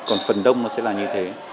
còn phần đông nó sẽ là như thế